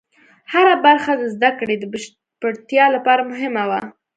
هره برخه د زده کړې د بشپړتیا لپاره مهمه وه.